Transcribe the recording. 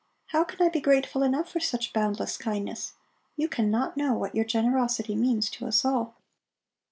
How can I be grateful enough for such boundless kindness? You cannot know what your generosity means to us all."